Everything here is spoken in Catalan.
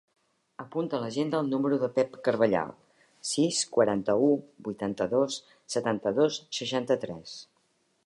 Apunta a l'agenda el número del Pep Carballal: sis, quaranta-u, vuitanta-dos, setanta-dos, seixanta-tres.